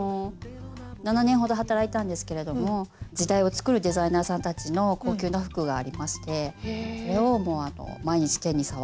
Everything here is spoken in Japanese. ７年ほど働いたんですけれども時代をつくるデザイナーさんたちの高級な服がありまして毎日手に触って。